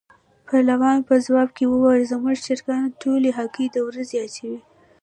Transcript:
بهلول په ځواب کې وویل: زموږ چرګان ټولې هګۍ د ورځې اچوي.